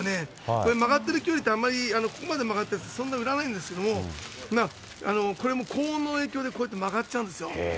これ、曲がってるキュウリって、ここまで曲がってるとそんなに売らないんですけれども、これも高温の影響で、こうやって曲がっちゃうんですよ。